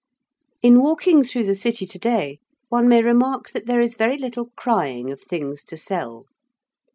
In walking through the City to day, one may remark that there is very little crying of things to sell.